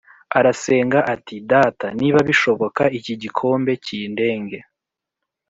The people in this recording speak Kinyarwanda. arasenga ati “Data, niba bishoboka iki gikombe kindenge